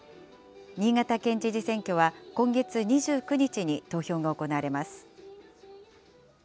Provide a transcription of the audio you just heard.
新潟県知事選挙は、今月２９日に投票が行われます。